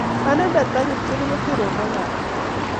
Anendet ak Kipkirui ko ki choronok ap keny.